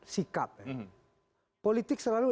sikap politik selalu